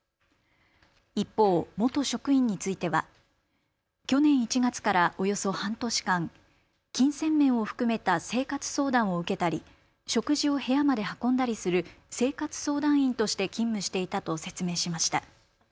一方、元職員については去年１月からおよそ半年間、金銭面を含めた生活相談を受けたり食事を部屋まで運んだりする生活相談員として勤務していたと説明しました。